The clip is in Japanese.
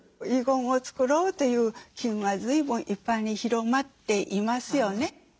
遺言を作ろうという機運はずいぶん一般に広まっていますよね。